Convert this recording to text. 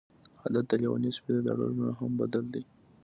عادت د لیوني سپي د داړلو نه هم بد دی.